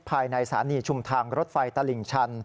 ภายในสาริชุมทางรถไฟตลิ่งชัน